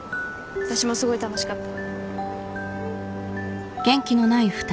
私もすごい楽しかった。